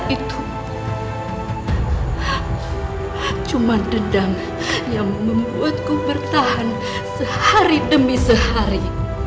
itu cuma dendam yang membuatku bertahan sehari demi sehari